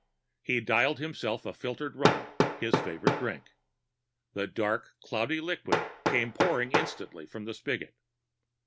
He dialed himself a filtered rum, his favorite drink. The dark, cloudy liquid came pouring instantly from the spigot.